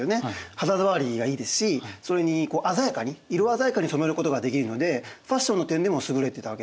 肌触りがいいですしそれに鮮やかに色鮮やかに染めることができるのでファッションの点でも優れてたわけです。